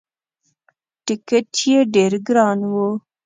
ټکت یې ډېر ګران وو.